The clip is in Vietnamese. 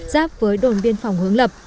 giáp với đồn biên phòng hướng lập